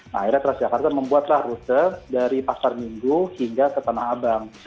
nah akhirnya transjakarta membuatlah rute dari pasar minggu hingga ke tanah abang